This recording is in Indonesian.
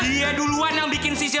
dia duluan yang bikin sisil kesel lo